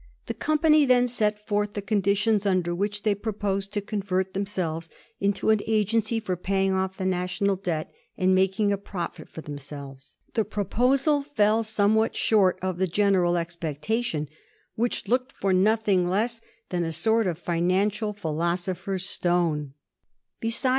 The company then set forth the conditions under which they proposed to convert themselves into an agency for paying off the national debt, and making a profit for themselves. The proposal fell somewhat short of the general expectation, which looked for nothing less than a sort of financial philosopher's stone. Besides, the Digiti zed by Google 1720.